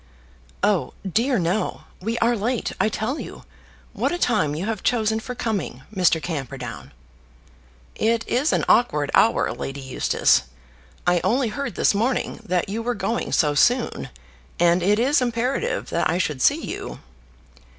"Oh dear, no. We are late, I tell you. What a time you have chosen for coming, Mr. Camperdown!" "It is an awkward hour, Lady Eustace. I only heard this morning that you were going so soon, and it is imperative that I should see you."